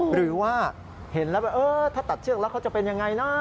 หรือว่าเห็นแล้วถ้าตัดเชือกแล้วเขาจะเป็นยังไงนะ